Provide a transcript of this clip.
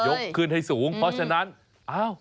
ขึ้นให้สูงเพราะฉะนั้นอ้าว